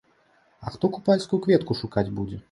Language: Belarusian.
А хто купальскую кветку шукаць будзе?